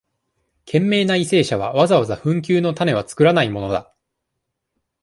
賢明な為政者は、わざわざ紛糾のタネはつくらないものだ。